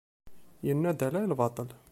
Yenna-d ala i lbaṭel.